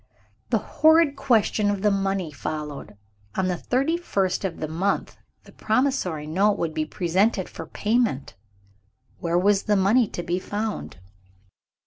The horrid question of the money followed. On the thirty first of the month, the promissory note would be presented for payment. Where was the money to be found?